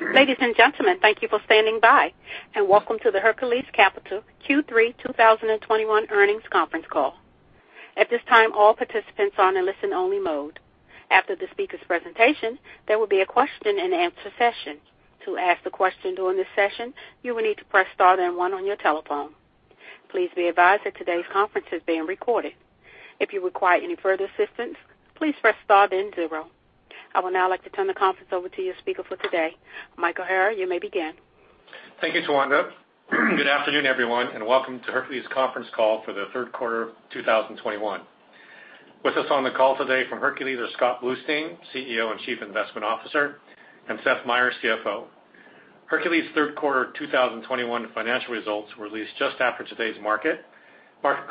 Ladies and gentlemen, thank you for standing by, and welcome to the Hercules Capital Q3 2021 earnings conference call. At this time, all participants are in listen-only mode. After the speaker's presentation, there will be a question-and-answer session. To ask a question during this session, you will need to press * then 1 on your telephone. Please be advised that today's conference is being recorded. If you require any further assistance, please press star then zero. I would now like to turn the conference over to your speaker for today. Michael Hara, you may begin. Thank you, Towanda. Good afternoon, everyone, and welcome to Hercules' conference call for the Q3 of 2021. With us on the call today from Hercules are Scott Bluestein, CEO and Chief Investment Officer, and Seth Meyer, CFO. Hercules' Q3 2021 financial results were released just after today's market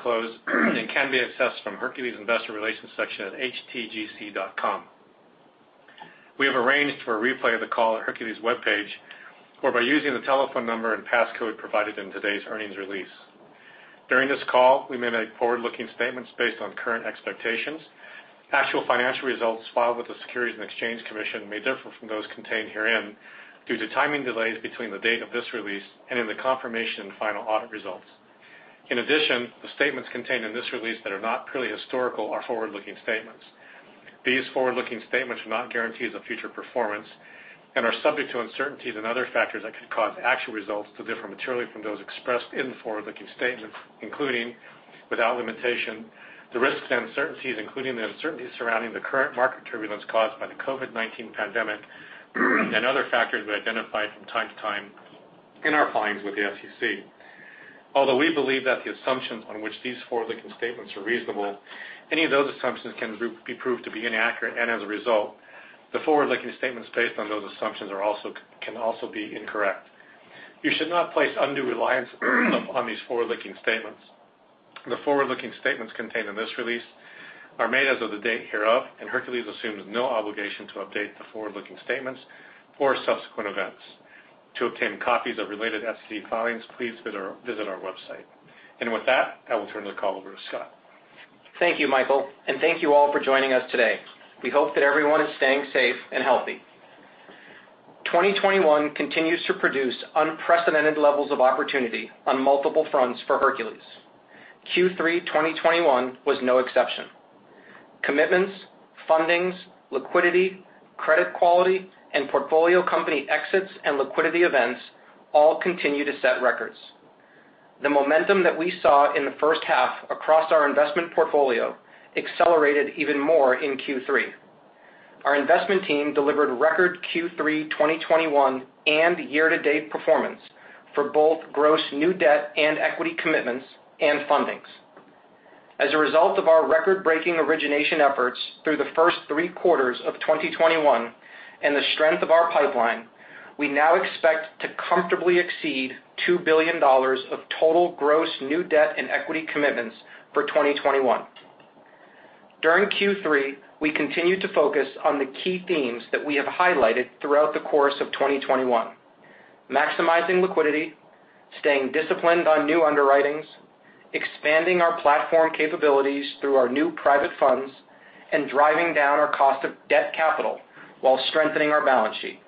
close and can be accessed from Hercules' investor relations section at htgc.com. We have arranged for a replay of the call at Hercules' webpage or by using the telephone number and passcode provided in today's earnings release. During this call, we may make forward-looking statements based on current expectations. Actual financial results filed with the Securities and Exchange Commission may differ from those contained herein due to timing delays between the date of this release and the confirmation of final audit results. In addition, the statements contained in this release that are not purely historical are forward-looking statements. These forward-looking statements are not guarantees of future performance and are subject to uncertainties and other factors that could cause actual results to differ materially from those expressed in the forward-looking statements, including, without limitation, the risks and uncertainties, including the uncertainties surrounding the current market turbulence caused by the COVID-19 pandemic and other factors we identify from time to time in our filings with the SEC. Although we believe that the assumptions on which these forward-looking statements are reasonable, any of those assumptions can be proved to be inaccurate, and as a result, the forward-looking statements based on those assumptions can also be incorrect. You should not place undue reliance on these forward-looking statements. The forward-looking statements contained in this release are made as of the date hereof, and Hercules assumes no obligation to update the forward-looking statements or subsequent events. To obtain copies of related SEC filings, please visit our website. With that, I will turn the call over to Scott. Thank you, Michael, and thank you all for joining us today. We hope that everyone is staying safe and healthy. 2021 continues to produce unprecedented levels of opportunity on multiple fronts for Hercules. Q3 2021 was no exception. Commitments, fundings, liquidity, credit quality, and portfolio company exits and liquidity events all continue to set records. The momentum that we saw in the H1 across our investment portfolio accelerated even more in Q3. Our investment team delivered record Q3 2021 and year-to-date performance for both gross new debt and equity commitments and fundings. As a result of our record-breaking origination efforts through the first three quarters of 2021 and the strength of our pipeline, we now expect to comfortably exceed $2 billion of total gross new debt and equity commitments for 2021. During Q3, we continued to focus on the key themes that we have highlighted throughout the course of 2021: maximizing liquidity, staying disciplined on new underwritings, expanding our platform capabilities through our new private funds, and driving down our cost of debt capital while strengthening our balance sheet.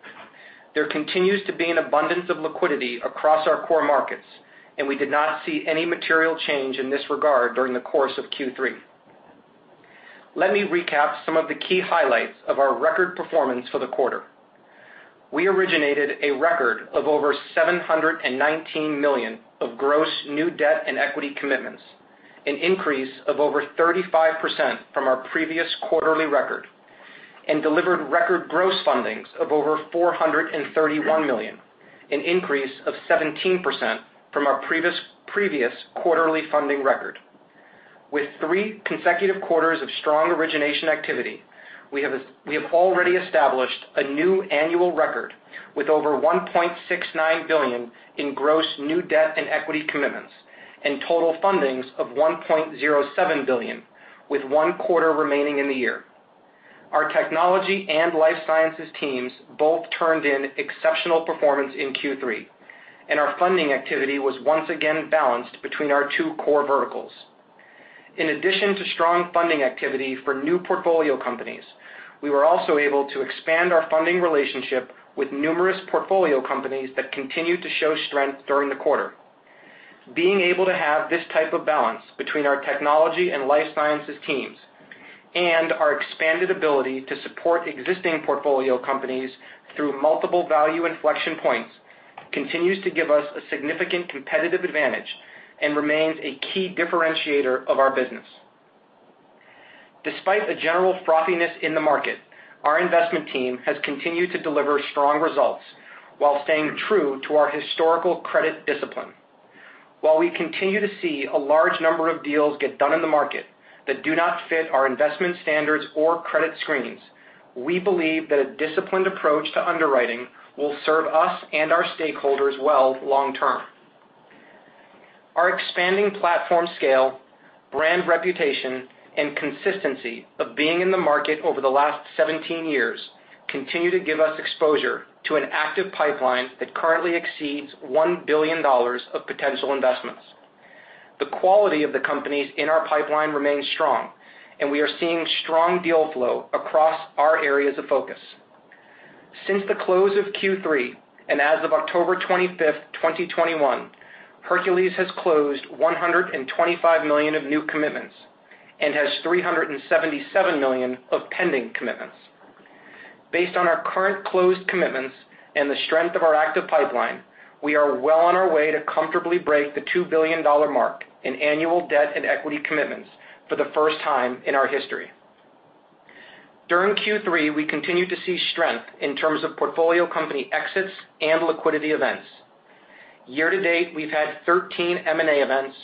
There continues to be an abundance of liquidity across our core markets, and we did not see any material change in this regard during the course of Q3. Let me recap some of the key highlights of our record performance for the quarter. We originated a record of over $719 million of gross new debt and equity commitments, an increase of over 35% from our previous quarterly record, and delivered record gross fundings of over $431 million, an increase of 17% from our previous quarterly funding record. With three consecutive quarters of strong origination activity, we have already established a new annual record with over $1.69 billion in gross new debt and equity commitments and total fundings of $1.07 billion, with one quarter remaining in the year. Our technology and life sciences teams both turned in exceptional performance in Q3, and our funding activity was once again balanced between our two core verticals. In addition to strong funding activity for new portfolio companies, we were also able to expand our funding relationship with numerous portfolio companies that continued to show strength during the quarter. Being able to have this type of balance between our technology and life sciences teams and our expanded ability to support existing portfolio companies through multiple value inflection points continues to give us a significant competitive advantage and remains a key differentiator of our business. Despite the general frothiness in the market, our investment team has continued to deliver strong results while staying true to our historical credit discipline. While we continue to see a large number of deals get done in the market that do not fit our investment standards or credit screens, we believe that a disciplined approach to underwriting will serve us and our stakeholders well long term. Our expanding platform scale, brand reputation, and consistency of being in the market over the last 17 years continue to give us exposure to an active pipeline that currently exceeds $1 billion of potential investments. The quality of the companies in our pipeline remains strong, and we are seeing strong deal flow across our areas of focus. Since the close of Q3, and as of October 25, 2021, Hercules has closed $125 million of new commitments and has $377 million of pending commitments. Based on our current closed commitments and the strength of our active pipeline, we are well on our way to comfortably break the $2 billion mark in annual debt and equity commitments for the first time in our history. During Q3, we continued to see strength in terms of portfolio company exits and liquidity events. Year-to-date, we've had 13 M&A events,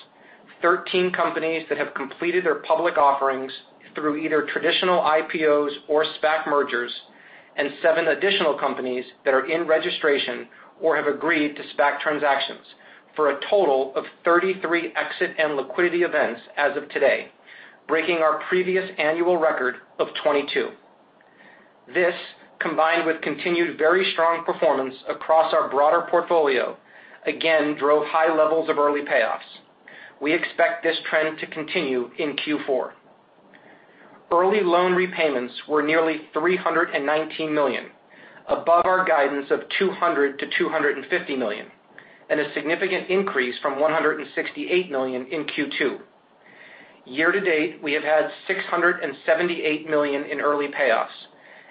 13 companies that have completed their public offerings through either traditional IPOs or SPAC mergers, and 7 additional companies that are in registration or have agreed to SPAC transactions for a total of 33 exit and liquidity events as of today, breaking our previous annual record of 22. This, combined with continued very strong performance across our broader portfolio, again drove high levels of early payoffs. We expect this trend to continue in Q4. Early loan repayments were nearly $319 million, above our guidance of $200 -250 million, and a significant increase from $168 million in Q2. Year-to-date, we have had $678 million in early payoffs,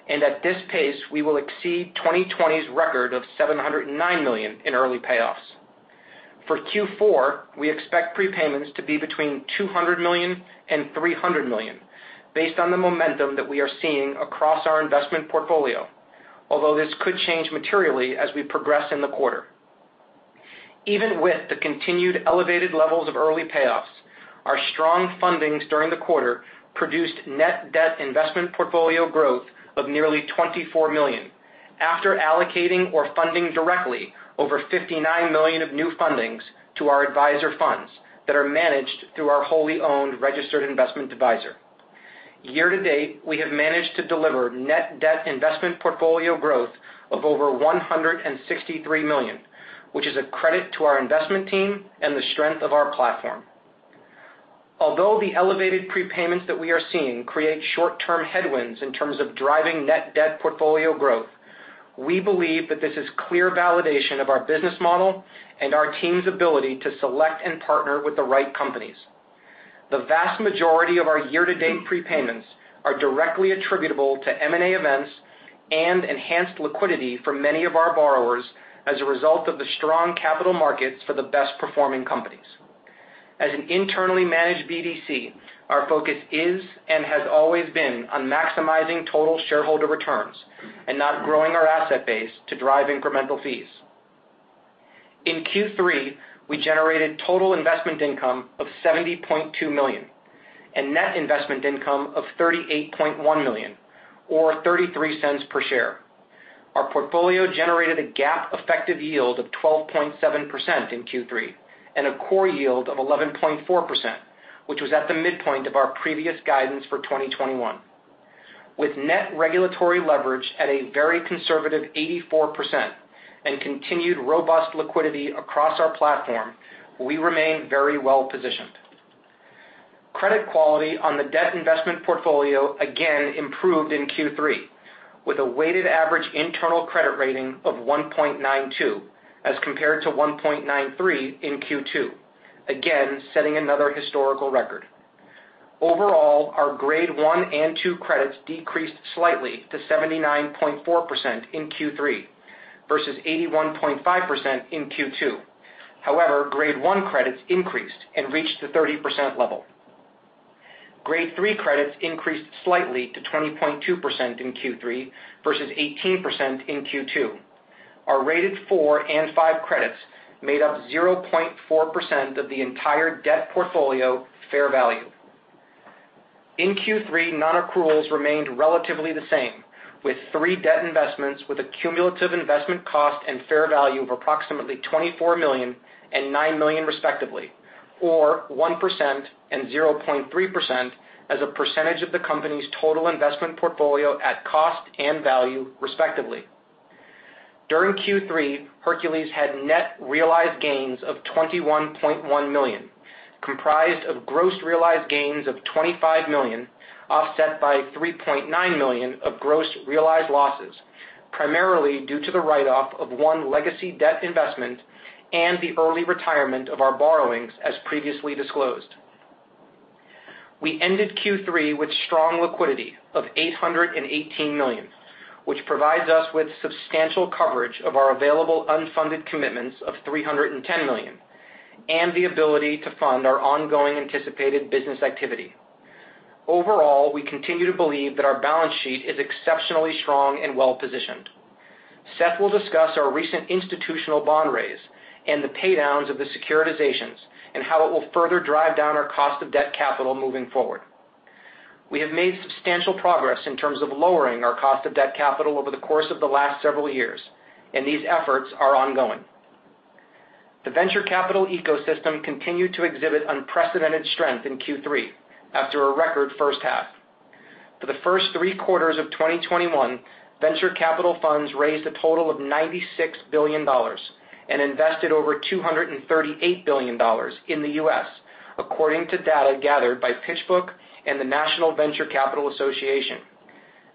and at this pace, we will exceed 2020's record of $709 million in early payoffs. For Q4, we expect prepayments to be between $200 million and $300 million based on the momentum that we are seeing across our investment portfolio, although this could change materially as we progress in the quarter. Even with the continued elevated levels of early payoffs, our strong fundings during the quarter produced net debt investment portfolio growth of nearly $24 million after allocating or funding directly over $59 million of new fundings to our advisor funds that are managed through our wholly owned Registered Investment Adviser. Year-to-date, we have managed to deliver net debt investment portfolio growth of over $163 million, which is a credit to our investment team and the strength of our platform. Although the elevated prepayments that we are seeing create short-term headwinds in terms of driving net debt portfolio growth, we believe that this is clear validation of our business model and our team's ability to select and partner with the right companies. The vast majority of our year-to-date prepayments are directly attributable to M&A events and enhanced liquidity for many of our borrowers as a result of the strong capital markets for the best-performing companies. As an internally managed BDC, our focus is and has always been on maximizing total shareholder returns and not growing our asset base to drive incremental fees. In Q3, we generated total investment income of $70.2 million and net investment income of $38.1 million or $0.33 per share. Our portfolio generated a GAAP effective yield of 12.7% in Q3 and a core yield of 11.4%, which was at the midpoint of our previous guidance for 2021. With net regulatory leverage at a very conservative 84% and continued robust liquidity across our platform, we remain very well-positioned. Credit quality on the debt investment portfolio again improved in Q3 with a weighted average internal credit rating of 1.92 as compared to 1.93 in Q2, again, setting another historical record. Overall, our Grade 1 and 2 credits decreased slightly to 79.4% in Q3 versus 81.5% in Q2. However, Grade 1 credits increased and reached the 30% level. Grade 3 credits increased slightly to 20.2% in Q3 versus 18% in Q2. Our rated 4 and 5 credits made up 0.4% of the entire debt portfolio fair value. In Q3, non-accruals remained relatively the same, with three debt investments with a cumulative investment cost and fair value of approximately $24 million and $9 million respectively, or 1% and 0.3% as a percentage of the company's total investment portfolio at cost and value, respectively. During Q3, Hercules had net realized gains of $21.1 million, comprised of gross realized gains of $25 million, offset by $3.9 million of gross realized losses, primarily due to the write-off of one legacy debt investment and the early retirement of our borrowings as previously disclosed. We ended Q3 with strong liquidity of $818 million, which provides us with substantial coverage of our available unfunded commitments of $310 million and the ability to fund our ongoing anticipated business activity. Overall, we continue to believe that our balance sheet is exceptionally strong and well-positioned. Seth will discuss our recent institutional bond raise and the paydowns of the securitizations and how it will further drive down our cost of debt capital moving forward. We have made substantial progress in terms of lowering our cost of debt capital over the course of the last several years, and these efforts are ongoing. The venture capital ecosystem continued to exhibit unprecedented strength in Q3 after a record H1. for the first three quarters of 2021, venture capital funds raised a total of $96 billion and invested over $238 billion in the U.S., according to data gathered by PitchBook and the National Venture Capital Association.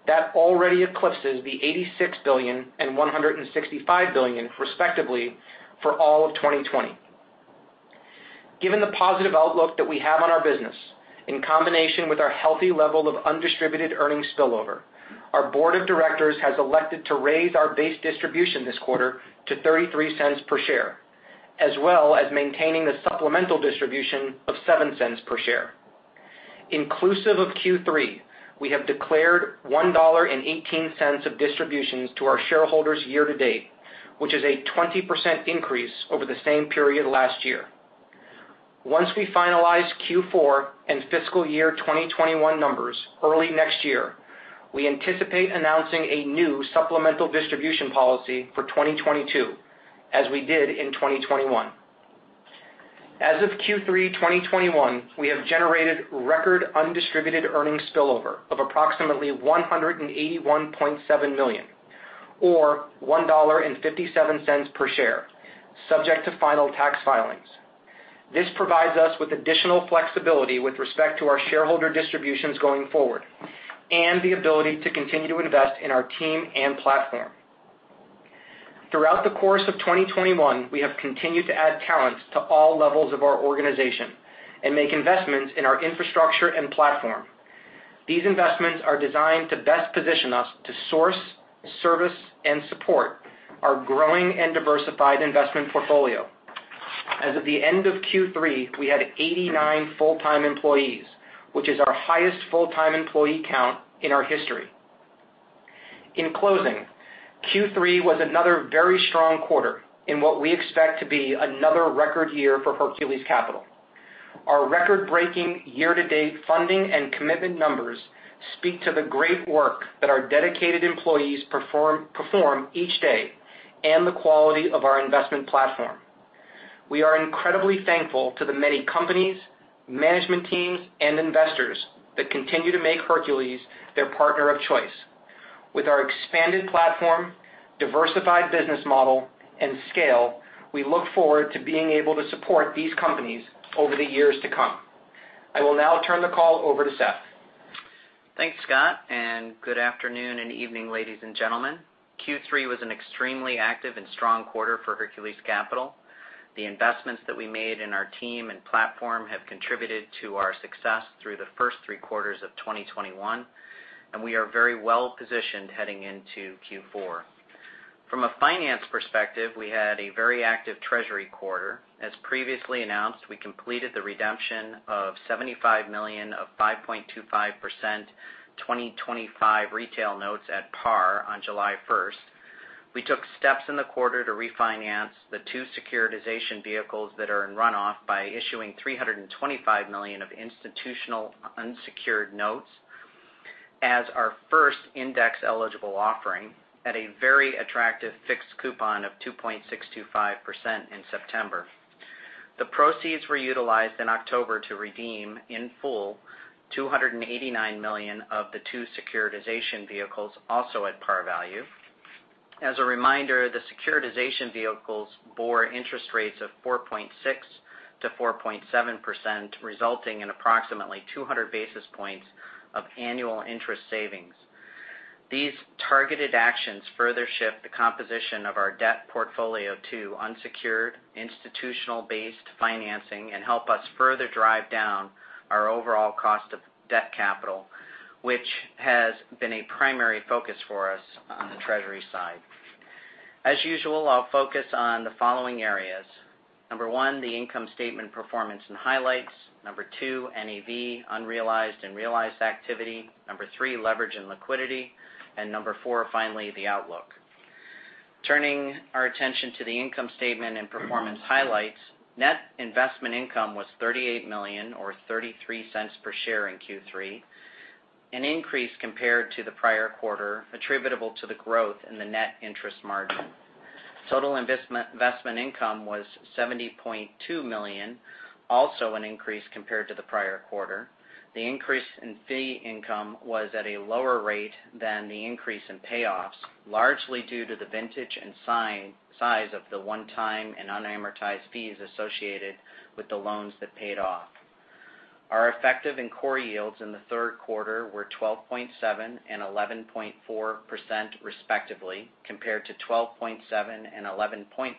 That already eclipses the $86 billion and $165 billion, respectively, for all of 2020. Given the positive outlook that we have on our business, in combination with our healthy level of undistributed earnings spillover, our board of directors has elected to raise our base distribution this quarter to $0.33 per share, as well as maintaining the supplemental distribution of $0.07 per share. Inclusive of Q3, we have declared $1.18 of distributions to our shareholders year-to-date, which is a 20% increase over the same period last year. Once we finalize Q4 and fiscal year 2021 numbers early next year, we anticipate announcing a new supplemental distribution policy for 2022, as we did in 2021. As of Q3 2021, we have generated record undistributed earnings spillover of approximately $181.7 million or $1.57 per share, subject to final tax filings. This provides us with additional flexibility with respect to our shareholder distributions going forward and the ability to continue to invest in our team and platform. Throughout the course of 2021, we have continued to add talent to all levels of our organization and make investments in our infrastructure and platform. These investments are designed to best position us to source, service, and support our growing and diversified investment portfolio. As of the end of Q3, we had 89 full-time employees, which is our highest full-time employee count in our history. In closing, Q3 was another very strong quarter in what we expect to be another record year for Hercules Capital. Our record-breaking year-to-date funding and commitment numbers speak to the great work that our dedicated employees perform each day and the quality of our investment platform. We are incredibly thankful to the many companies, management teams, and investors that continue to make Hercules their partner of choice. With our expanded platform, diversified business model, and scale, we look forward to being able to support these companies over the years to come. I will now turn the call over to Seth. Thanks, Scott, and good afternoon and evening, ladies and gentlemen. Q3 was an extremely active and strong quarter for Hercules Capital. The investments that we made in our team and platform have contributed to our success through the first three quarters of 2021, and we are very well positioned heading into Q4. From a finance perspective, we had a very active treasury quarter. As previously announced, we completed the redemption of $75 million of 5.25% 2025 retail notes at par on July 1. We took steps in the quarter to refinance the two securitization vehicles that are in runoff by issuing $325 million of institutional unsecured notes as our first index-eligible offering at a very attractive fixed coupon of 2.625% in September. The proceeds were utilized in October to redeem, in full, $289 million of the two securitization vehicles, also at par value. As a reminder, the securitization vehicles bore interest rates of 4.6%-4.7%, resulting in approximately 200 basis points of annual interest savings. These targeted actions further shift the composition of our debt portfolio to unsecured, institutional-based financing and help us further drive down our overall cost of debt capital, which has been a primary focus for us on the treasury side. As usual, I'll focus on the following areas. Number 1, the income statement performance and highlights. Number 2, NAV unrealized and realized activity. Number 3, leverage and liquidity. Number 4, finally, the outlook. Turning our attention to the income statement and performance highlights, net investment income was $38 million or $0.33 per share in Q3, an increase compared to the prior quarter attributable to the growth in the net interest margin. Total investment income was $70.2 million, also an increase compared to the prior quarter. The increase in fee income was at a lower rate than the increase in payoffs, largely due to the vintage and size of the one-time and unamortized fees associated with the loans that paid off. Our effective and core yields in the Q3 were 12.7% and 11.4% respectively, compared to 12.7% and 11.5%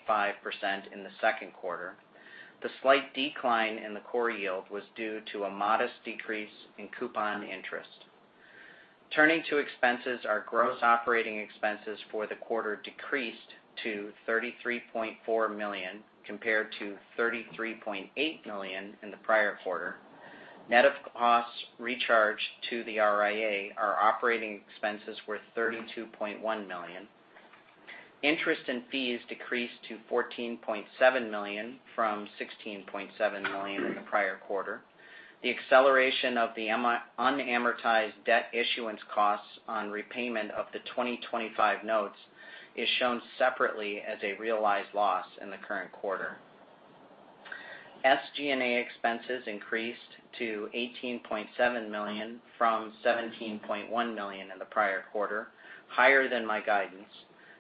in the Q2. The slight decline in the core yield was due to a modest decrease in coupon interest. Turning to expenses, our gross operating expenses for the quarter decreased to $33.4 million compared to $33.8 million in the prior quarter. Net of costs recharged to the RIA, our operating expenses were $32.1 million. Interest and fees decreased to $14.7 million from $16.7 million in the prior quarter. The acceleration of the unamortized debt issuance costs on repayment of the 2025 notes is shown separately as a realized loss in the current quarter. SG&A expenses increased to $18.7 million from $17.1 million in the prior quarter, higher than my guidance.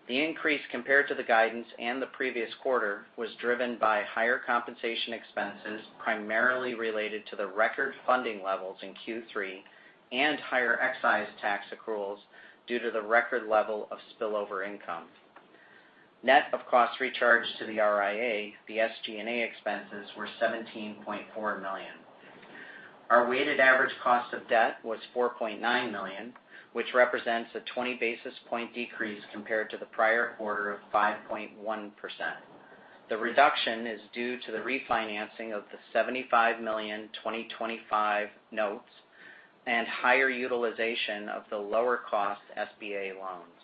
The increase compared to the guidance and the previous quarter was driven by higher compensation expenses, primarily related to the record funding levels in Q3 and higher excise tax accruals due to the record level of spillover income. Net of costs recharged to the RIA, the SG&A expenses were $17.4 million. Our weighted average cost of debt was 4.9%, which represents a 20 basis point decrease compared to the prior quarter of 5.1%. The reduction is due to the refinancing of the $75 million 2025 notes and higher utilization of the lower cost SBA loans.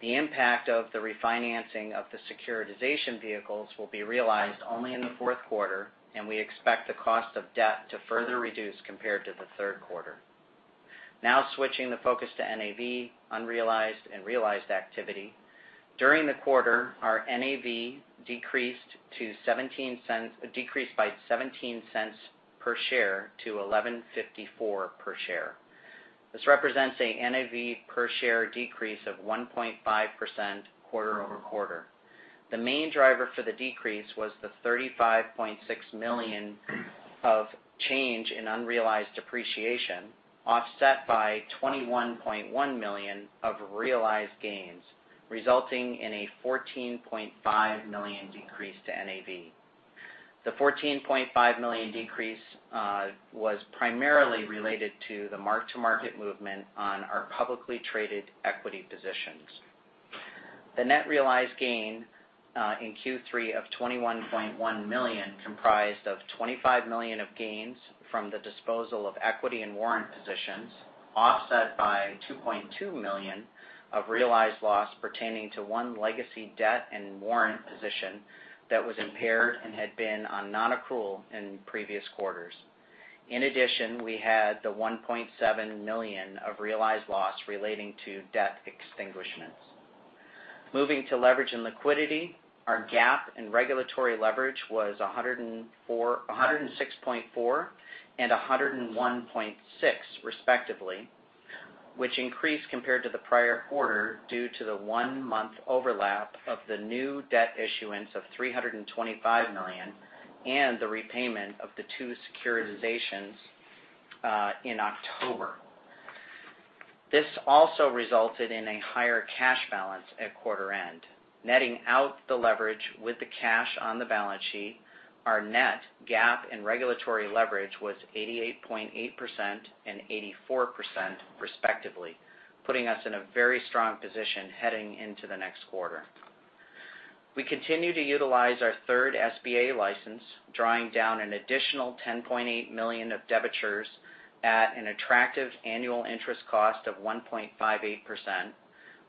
The impact of the refinancing of the securitization vehicles will be realized only in the Q4, and we expect the cost of debt to further reduce compared to the Q3. Now switching the focus to NAV unrealized and realized activity. During the quarter, our NAV decreased by $0.17 per share to $11.54 per share. This represents a NAV per share decrease of 1.5% quarter-over-quarter. The main driver for the decrease was the $35.6 million of change in unrealized appreciation, offset by $21.1 million of realized gains, resulting in a $14.5 million decrease to NAV. The $14.5 million decrease was primarily related to the mark-to-market movement on our publicly traded equity positions. The net realized gain in Q3 of $21.1 million, comprised of $25 million of gains from the disposal of equity and warrant positions, offset by $2.2 million of realized loss pertaining to one legacy debt and warrant position that was impaired and had been on non-accrual in previous quarters. In addition, we had the $1.7 million of realized loss relating to debt extinguishments. Moving to leverage and liquidity. Our GAAP and regulatory leverage was 106.4 and 101.6 respectively, which increased compared to the prior quarter due to the one-month overlap of the new debt issuance of $325 million and the repayment of the two securitizations in October. This also resulted in a higher cash balance at quarter end. Netting out the leverage with the cash on the balance sheet, our net GAAP and regulatory leverage was 88.8% and 84% respectively, putting us in a very strong position heading into the next quarter. We continue to utilize our third SBA license, drawing down an additional $10.8 million of debentures at an attractive annual interest cost of 1.58%.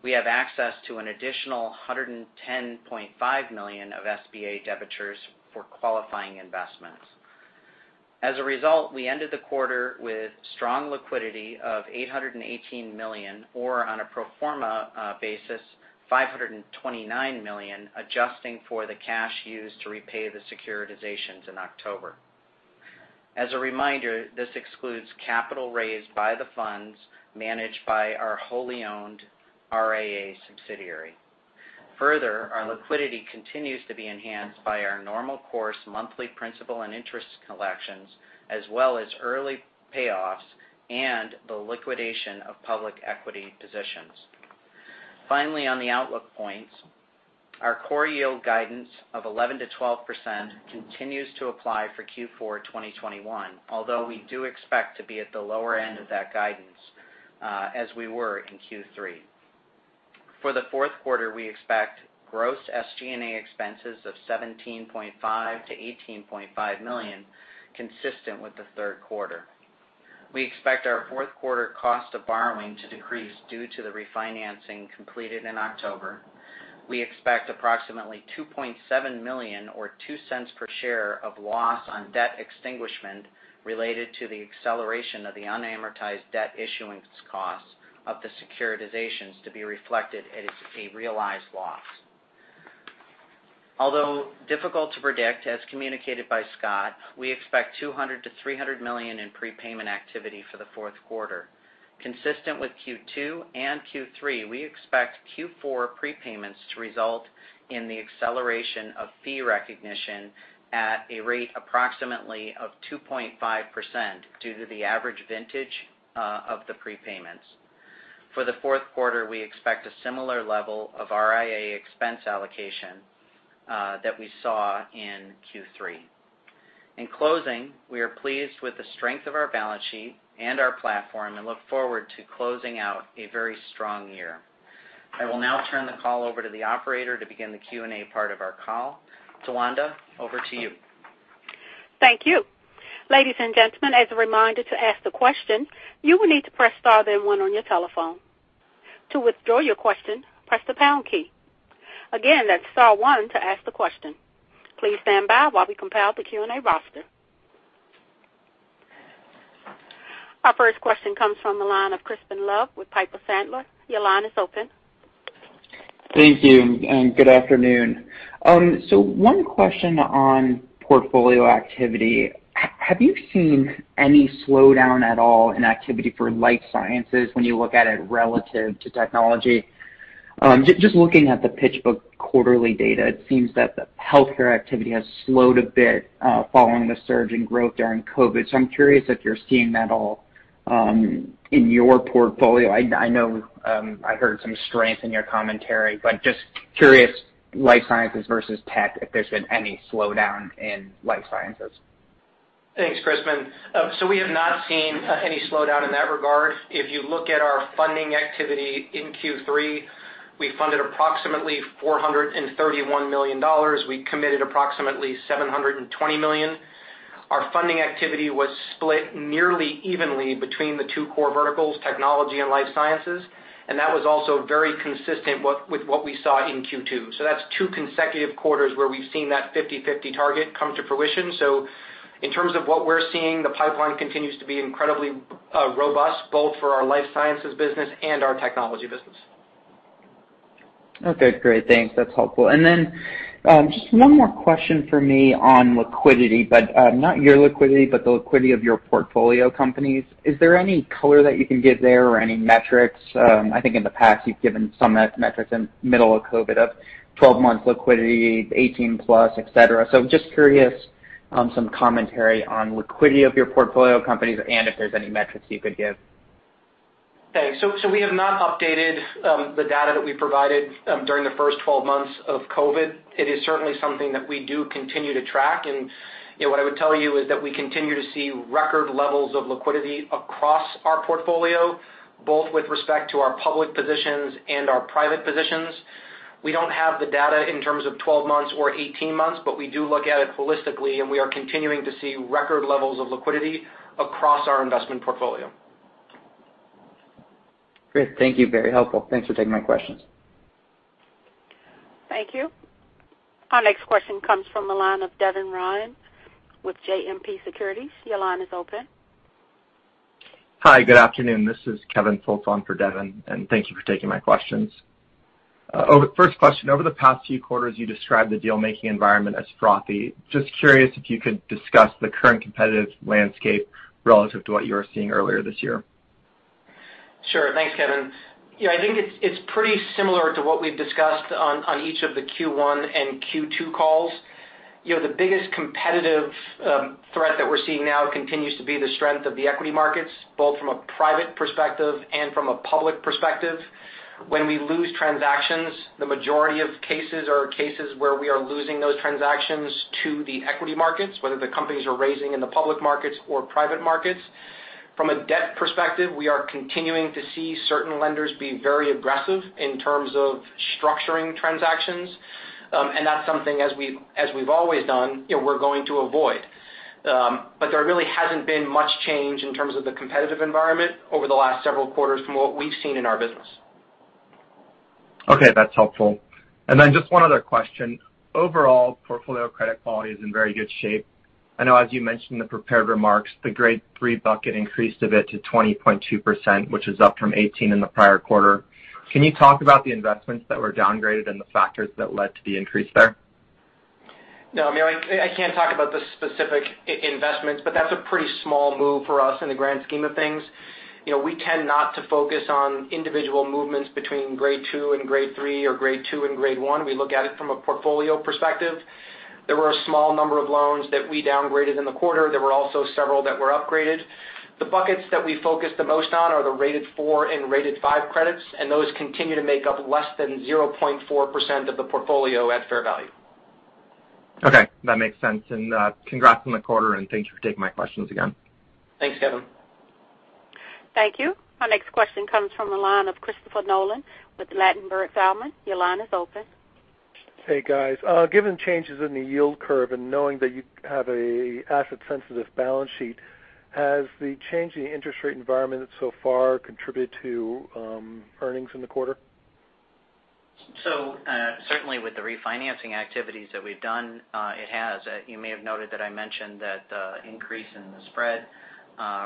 We have access to an additional $110.5 million of SBA debentures for qualifying investments. As a result, we ended the quarter with strong liquidity of $818 million, or on a pro forma basis, $529 million, adjusting for the cash used to repay the securitizations in October. As a reminder, this excludes capital raised by the funds managed by our wholly owned RIA subsidiary. Further, our liquidity continues to be enhanced by our normal course monthly principal and interest collections, as well as early payoffs and the liquidation of public equity positions. Finally, on the outlook points, our core yield guidance of 11%-12% continues to apply for Q4 of 2021, although we do expect to be at the lower end of that guidance, as we were in Q3. For the fourth quarter, we expect gross SG&A expenses of $17.5 -18.5 million, consistent with the Q3. We expect our fourth quarter cost of borrowing to decrease due to the refinancing completed in October. We expect approximately $2.7 million or $0.02 per share of loss on debt extinguishment related to the acceleration of the unamortized debt issuance costs of the securitizations to be reflected as a realized loss. Although difficult to predict, as communicated by Scott, we expect $200 -300 million in prepayment activity for the fourth quarter. Consistent with Q2 and Q3, we expect Q4 prepayments to result in the acceleration of fee recognition at a rate approximately of 2.5% due to the average vintage of the prepayments. For the fourth quarter, we expect a similar level of RIA expense allocation that we saw in Q3. In closing, we are pleased with the strength of our balance sheet and our platform and look forward to closing out a very strong year. I will now turn the call over to the operator to begin the Q&A part of our call. Towanda, over to you. Thank you. Ladies and gentlemen, as a reminder, to ask the question, you will need to press * then 1 on your telephone. To withdraw your question, press the pound key. Again, that's star one to ask the question. Please stand by while we compile the Q&A roster. Our first question comes from the line of Crispin Love with Piper Sandler. Your line is open. Thank you, and good afternoon. One question on portfolio activity. Have you seen any slowdown at all in activity for life sciences when you look at it relative to technology? Just looking at the PitchBook quarterly data, it seems that the healthcare activity has slowed a bit, following the surge in growth during COVID. I'm curious if you're seeing that at all in your portfolio. I know I heard some strength in your commentary, but just curious, life sciences versus tech, if there's been any slowdown in life sciences. Thanks, Crispin. We have not seen any slowdown in that regard. If you look at our funding activity in Q3, we funded approximately $431 million. We committed approximately $720 million. Our funding activity was split nearly evenly between the two core verticals, technology and life sciences, and that was also very consistent with what we saw in Q2. That's two consecutive quarters where we've seen that 50/50 target come to fruition. In terms of what we're seeing, the pipeline continues to be incredibly robust, both for our life sciences business and our technology business. Okay. Great. Thanks. That's helpful. Just one more question for me on liquidity, but not your liquidity, but the liquidity of your portfolio companies. Is there any color that you can give there or any metrics? I think in the past you've given some metrics in middle of COVID of 12 months liquidity, 18+, etc. Just curious on some commentary on liquidity of your portfolio companies and if there's any metrics you could give. We have not updated the data that we provided during the first 12 months of COVID. It is certainly something that we do continue to track. You know, what I would tell you is that we continue to see record levels of liquidity across our portfolio, both with respect to our public positions and our private positions. We don't have the data in terms of 12 months or 18 months, but we do look at it holistically, and we are continuing to see record levels of liquidity across our investment portfolio. Great. Thank you. Very helpful. Thanks for taking my questions. Thank you. Our next question comes from the line of Devin Ryan with JMP Securities. Your line is open. Hi. Good afternoon. This is Kevin Fultz for Devin, and thank you for taking my questions. First question, over the past few quarters, you described the deal-making environment as frothy. Just curious if you could discuss the current competitive landscape relative to what you were seeing earlier this year. Sure. Thanks, Kevin. Yeah, I think it's pretty similar to what we've discussed on each of the Q1 and Q2 calls. You know, the biggest competitive threat that we're seeing now continues to be the strength of the equity markets, both from a private perspective and from a public perspective. When we lose transactions, the majority of cases are cases where we are losing those transactions to the equity markets, whether the companies are raising in the public markets or private markets. From a debt perspective, we are continuing to see certain lenders being very aggressive in terms of structuring transactions. That's something, as we've always done, you know, we're going to avoid. There really hasn't been much change in terms of the competitive environment over the last several quarters from what we've seen in our business. Okay, that's helpful. Just one other question. Overall, portfolio credit quality is in very good shape. I know as you mentioned in the prepared remarks, the grade three bucket increased a bit to 20.2%, which is up from 18% in the prior quarter. Can you talk about the investments that were downgraded and the factors that led to the increase there? No, I mean, I can't talk about the specific investments, but that's a pretty small move for us in the grand scheme of things. You know, we tend not to focus on individual movements between grade two and grade three or grade two and grade one. We look at it from a portfolio perspective. There were a small number of loans that we downgraded in the quarter. There were also several that were upgraded. The buckets that we focus the most on are the rated four and rated five credits, and those continue to make up less than 0.4% of the portfolio at fair value. Okay, that makes sense. Congrats on the quarter, and thanks for taking my questions again. Thanks, Kevin. Thank you. Our next question comes from the line of Christopher Nolan with Ladenburg Thalmann. Your line is open. Hey, guys. Given changes in the yield curve and knowing that you have a asset-sensitive balance sheet, has the change in the interest rate environment so far contributed to earnings in the quarter? Certainly with the refinancing activities that we've done, it has. You may have noted that I mentioned that the increase in the spread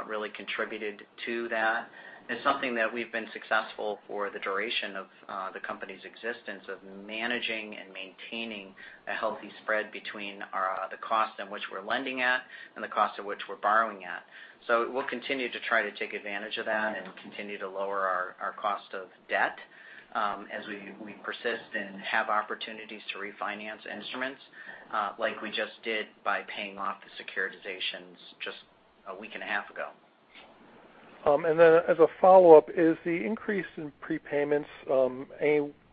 really contributed to that. It's something that we've been successful for the duration of the company's existence of managing and maintaining a healthy spread between our the cost at which we're lending at and the cost at which we're borrowing at. We'll continue to try to take advantage of that and continue to lower our cost of debt as we persist and have opportunities to refinance instruments like we just did by paying off the securitizations just a week and a half ago. As a follow-up, is the increase in prepayments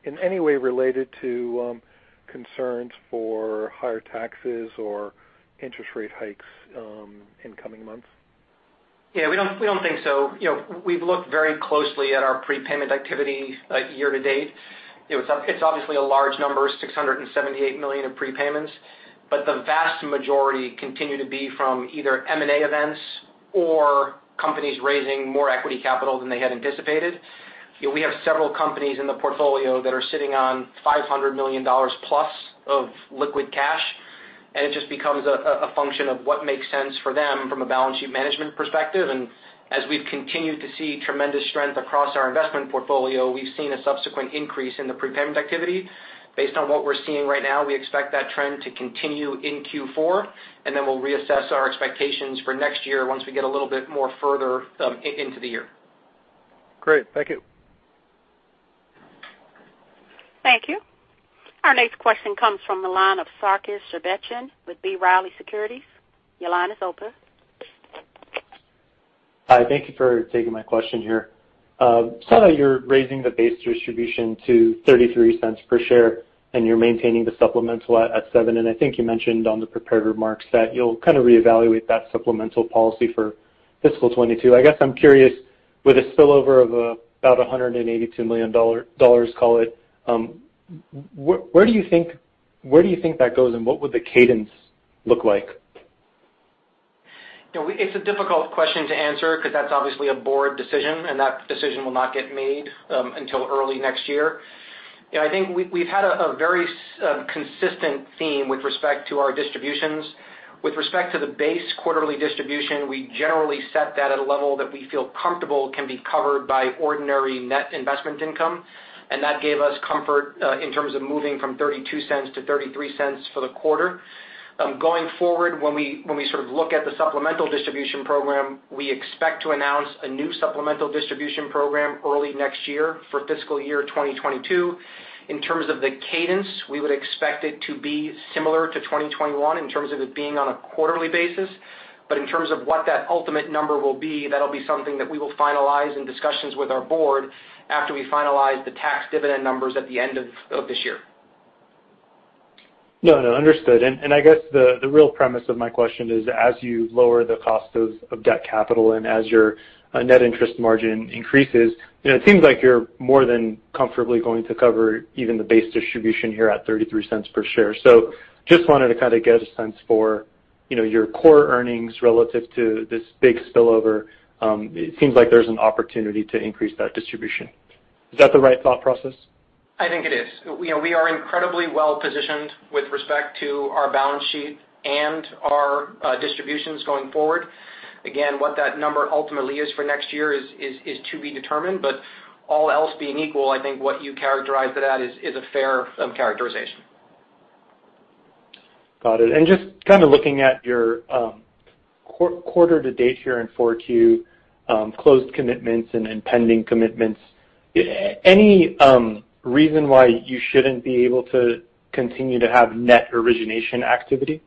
in any way related to concerns for higher taxes or interest rate hikes in coming months? Yeah, we don't think so. You know, we've looked very closely at our prepayment activity, like, year to date. You know, it's obviously a large number, $678 million of prepayments, but the vast majority continue to be from either M&A events or companies raising more equity capital than they had anticipated. You know, we have several companies in the portfolio that are sitting on $500 million plus of liquid cash. It just becomes a function of what makes sense for them from a balance sheet management perspective. As we've continued to see tremendous strength across our investment portfolio, we've seen a subsequent increase in the prepayment activity. Based on what we're seeing right now, we expect that trend to continue in Q4, and then we'll reassess our expectations for next year once we get a little bit more further into the year. Great. Thank you. Thank you. Our next question comes from the line of Sarkis Sherbetchyan with B. Riley Securities. Your line is open. Hi. Thank you for taking my question here. So you're raising the base distribution to 33 cents per share, and you're maintaining the supplemental at 7. I think you mentioned on the prepared remarks that you'll kind of reevaluate that supplemental policy for fiscal 2022. I guess I'm curious, with a spillover of about $182 million, call it, where do you think that goes, and what would the cadence look like? You know, it's a difficult question to answer 'cause that's obviously a board decision, and that decision will not get made until early next year. You know, I think we've had a very consistent theme with respect to our distributions. With respect to the base quarterly distribution, we generally set that at a level that we feel comfortable can be covered by ordinary net investment income, and that gave us comfort in terms of moving from $0.32 to $0.33 for the quarter. Going forward, when we sort of look at the supplemental distribution program, we expect to announce a new supplemental distribution program early next year for fiscal year 2022. In terms of the cadence, we would expect it to be similar to 2021 in terms of it being on a quarterly basis. In terms of what that ultimate number will be, that'll be something that we will finalize in discussions with our board after we finalize the tax dividend numbers at the end of this year. No, no, understood. I guess the real premise of my question is as you lower the cost of debt capital and as your net interest margin increases, you know, it seems like you're more than comfortably going to cover even the base distribution here at $0.33 per share. Just wanted to kinda get a sense for, you know, your core earnings relative to this big spillover. It seems like there's an opportunity to increase that distribution. Is that the right thought process? I think it is. You know, we are incredibly well-positioned with respect to our balance sheet and our distributions going forward. Again, what that number ultimately is for next year is to be determined, but all else being equal, I think what you characterized it at is a fair characterization. Got it. Just kinda looking at your quarter to date here in 4Q, closed commitments and pending commitments, any reason why you shouldn't be able to continue to have net origination activity?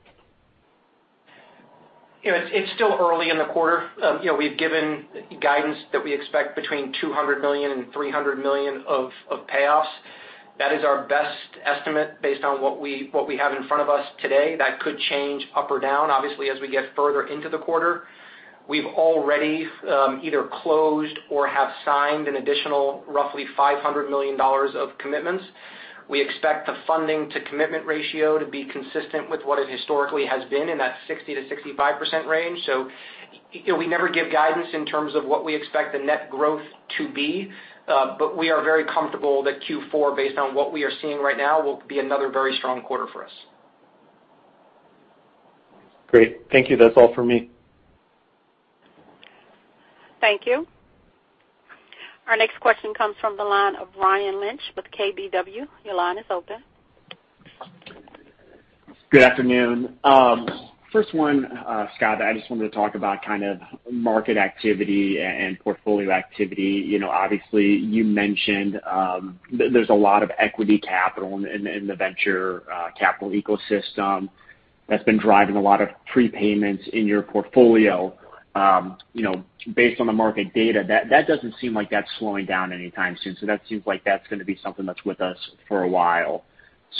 You know, it's still early in the quarter. You know, we've given guidance that we expect between $200 million and $300 million of payoffs. That is our best estimate based on what we have in front of us today. That could change up or down, obviously, as we get further into the quarter. We've already either closed or have signed an additional roughly $500 million of commitments. We expect the funding to commitment ratio to be consistent with what it historically has been in that 60%-65% range. You know, we never give guidance in terms of what we expect the net growth to be, but we are very comfortable that Q4, based on what we are seeing right now, will be another very strong quarter for us. Great. Thank you. That's all for me. Thank you. Our next question comes from the line of Ryan Lynch with KBW. Your line is open. Good afternoon. First one, Scott, I just wanted to talk about kind of market activity and portfolio activity. You know, obviously, you mentioned, there's a lot of equity capital in the venture capital ecosystem that's been driving a lot of prepayments in your portfolio. You know, based on the market data, that doesn't seem like that's slowing down anytime soon, so that seems like that's gonna be something that's with us for a while.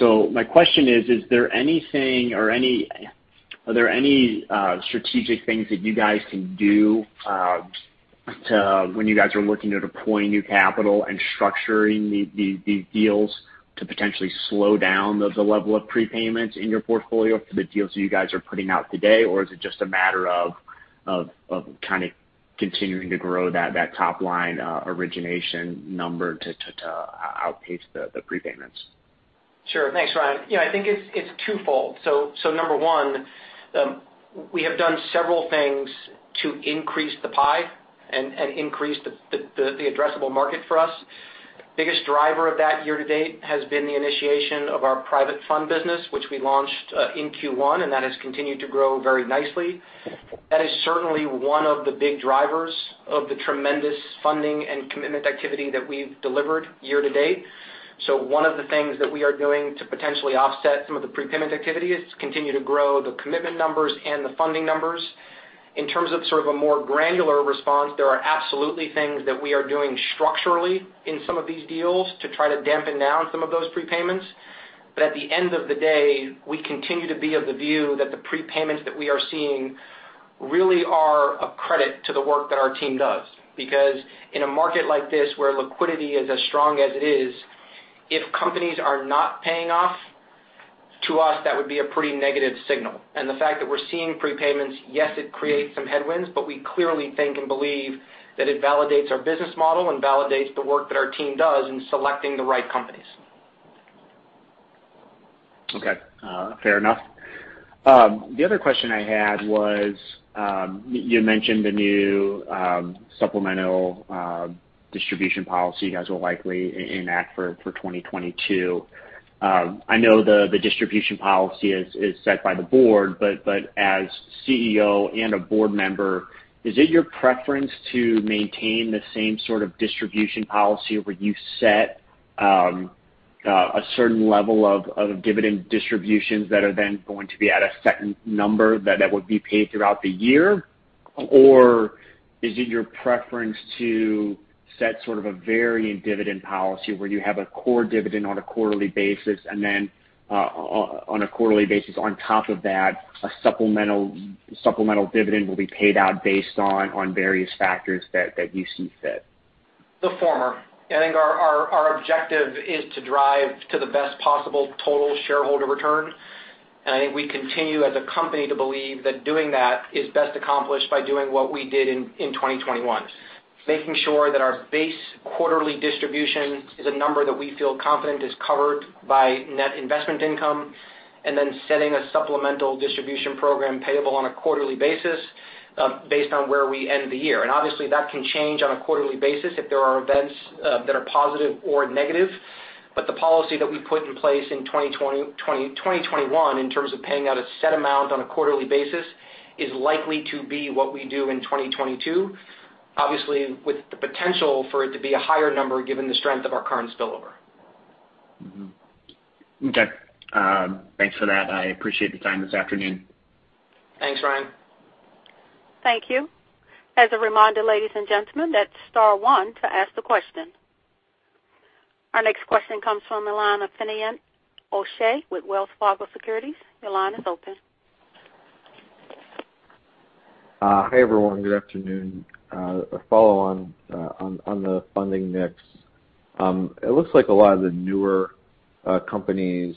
My question is there anything or any. Are there any strategic things that you guys can do, to, when you guys are looking to deploy new capital and structuring the deals to potentially slow down the level of prepayments in your portfolio for the deals that you guys are putting out today? Is it just a matter of kinda continuing to grow that top line origination number to outpace the prepayments? Sure. Thanks, Ryan. You know, I think it's twofold. Number one, we have done several things to increase the pie and increase the addressable market for us. Biggest driver of that year to date has been the initiation of our private fund business, which we launched in Q1, and that has continued to grow very nicely. That is certainly one of the big drivers of the tremendous funding and commitment activity that we've delivered year to date. One of the things that we are doing to potentially offset some of the prepayment activity is to continue to grow the commitment numbers and the funding numbers. In terms of sort of a more granular response, there are absolutely things that we are doing structurally in some of these deals to try to dampen down some of those prepayments. At the end of the day, we continue to be of the view that the prepayments that we are seeing really are a credit to the work that our team does. Because in a market like this where liquidity is as strong as it is, if companies are not paying off, to us, that would be a pretty negative signal. The fact that we're seeing prepayments, yes, it creates some headwinds, but we clearly think and believe that it validates our business model and validates the work that our team does in selecting the right companies. Okay. Fair enough. The other question I had was, you mentioned the new supplemental distribution policy you guys will likely enact for 2022. I know the distribution policy is set by the board, but as CEO and a board member, is it your preference to maintain the same sort of distribution policy where you set a certain level of dividend distributions that are then going to be at a set number that would be paid throughout the year? Or is it your preference to set sort of a varying dividend policy where you have a core dividend on a quarterly basis and then on a quarterly basis on top of that, a supplemental dividend will be paid out based on various factors that you see fit? The former. I think our objective is to drive to the best possible total shareholder return. I think we continue as a company to believe that doing that is best accomplished by doing what we did in 2021. Making sure that our base quarterly distribution is a number that we feel confident is covered by net investment income, and then setting a supplemental distribution program payable on a quarterly basis, based on where we end the year. Obviously that can change on a quarterly basis if there are events that are positive or negative. The policy that we put in place in 2020, 2021 in terms of paying out a set amount on a quarterly basis is likely to be what we do in 2022, obviously with the potential for it to be a higher number given the strength of our current spillover. Okay. Thanks for that. I appreciate the time this afternoon. Thanks, Ryan. Thank you. As a reminder, ladies and gentlemen, that's star one to ask the question. Our next question comes from the line of Finian O'Shea with Wells Fargo Securities. Your line is open. Hey, everyone. Good afternoon. A follow on the funding mix. It looks like a lot of the newer companies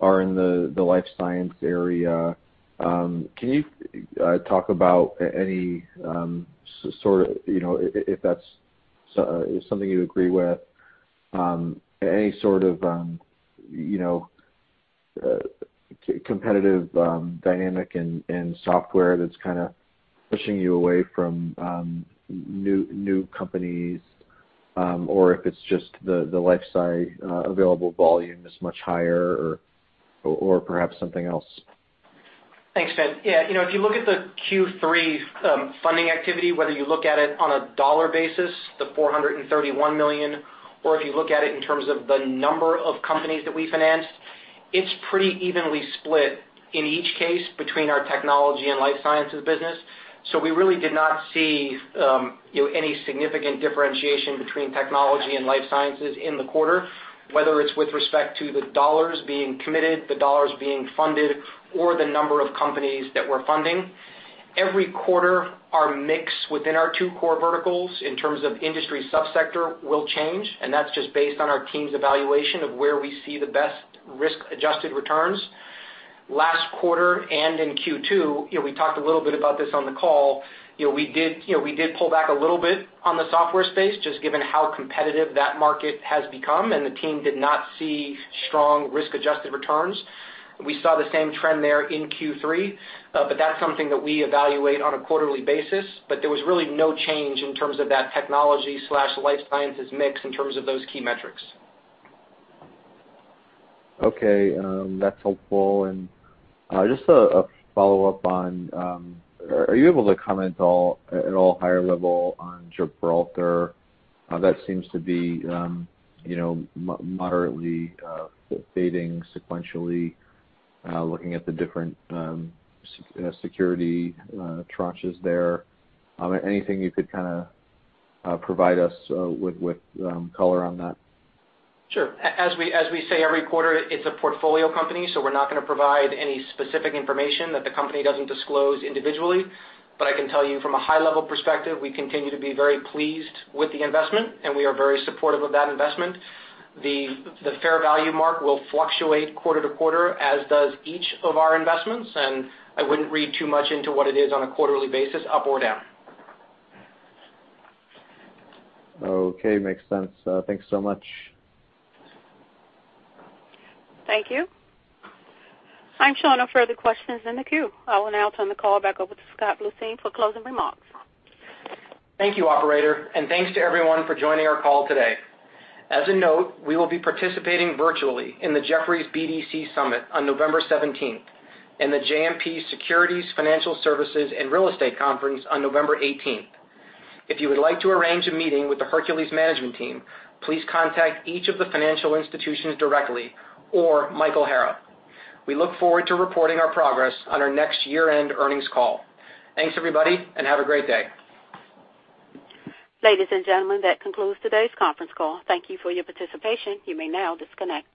are in the life science area. Can you talk about any sort of, you know, if that's something you agree with, any sort of, you know, competitive dynamic in software that's kinda pushing you away from new companies, or if it's just the life science available volume is much higher or perhaps something else? Thanks, Fin. Yeah, you know, if you look at the Q3 funding activity, whether you look at it on a dollar basis, the $431 million, or if you look at it in terms of the number of companies that we financed, it's pretty evenly split in each case between our technology and life sciences business. We really did not see, you know, any significant differentiation between technology and life sciences in the quarter, whether it's with respect to the dollars being committed, the dollars being funded, or the number of companies that we're funding. Every quarter, our mix within our two core verticals in terms of industry subsector will change, and that's just based on our team's evaluation of where we see the best risk-adjusted returns. Last quarter and in Q2, you know, we talked a little bit about this on the call, you know, we did pull back a little bit on the software space just given how competitive that market has become, and the team did not see strong risk-adjusted returns. We saw the same trend there in Q3, but that's something that we evaluate on a quarterly basis. There was really no change in terms of that technology/life sciences mix in terms of those key metrics. Okay. That's helpful. Just a follow-up on are you able to comment at all higher level on Gibraltar? That seems to be, you know, moderately fading sequentially, looking at the different security tranches there. Anything you could kinda provide us with color on that? Sure. As we say every quarter, it's a portfolio company, so we're not gonna provide any specific information that the company doesn't disclose individually. I can tell you from a high-level perspective, we continue to be very pleased with the investment, and we are very supportive of that investment. The fair value mark will fluctuate quarter to quarter, as does each of our investments, and I wouldn't read too much into what it is on a quarterly basis up or down. Okay. Makes sense. Thanks so much. Thank you. I'm showing no further questions in the queue. I will now turn the call back over to Scott Bluestein for closing remarks. Thank you, operator, and thanks to everyone for joining our call today. As a note, we will be participating virtually in the Jefferies BDC Summit on November seventeenth, and the JMP Securities Financial Services and Real Estate Conference on November eighteenth. If you would like to arrange a meeting with the Hercules management team, please contact each of the financial institutions directly or Michael Hara. We look forward to reporting our progress on our next year-end earnings call. Thanks, everybody, and have a great day. Ladies and gentlemen, that concludes today's conference call. Thank you for your participation. You may now disconnect.